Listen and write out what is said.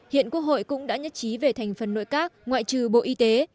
hiện quốc hội cũng đã nhất trí về thành phần nội các ngoại trừ bộ y tế